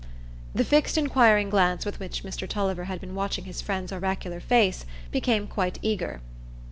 The fixed inquiring glance with which Mr Tulliver had been watching his friend's oracular face became quite eager.